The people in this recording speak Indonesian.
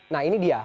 nah ini dia